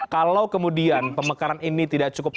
kalau kemudian pemekaran ini tidak cukup